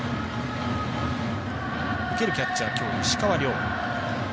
受けるキャッチャーきょう、石川亮。